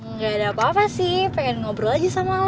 nggak ada apa apa sih pengen ngobrol aja sama allah